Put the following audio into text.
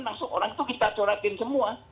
masuk orang itu kita corakin semua